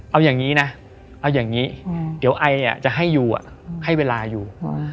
เอาอย่างนี้นะเอาอย่างนี้เดี๋ยวไอจะให้อยู่ให้เวลาอยู่